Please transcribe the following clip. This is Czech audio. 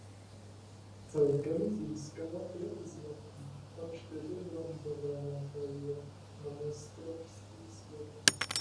Celkem získala pět zlatých a čtyři bronzové medaile na mistrovství světa.